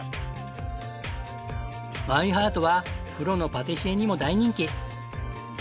マイハートはプロのパティシエにも大人気。